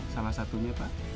salah satunya pak